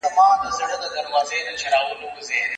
غوړېدلی به ټغر وي د خوښیو اخترونو